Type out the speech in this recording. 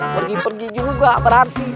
pergi pergi juga berarti